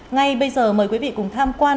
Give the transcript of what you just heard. ngay bây giờ mời quý vị cùng tham quan